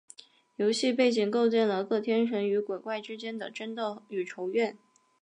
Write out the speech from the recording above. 游戏背景构建了各天神与鬼怪之间的争斗与仇怨。